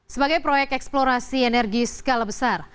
sebagai proyek eksplorasi energi skala besar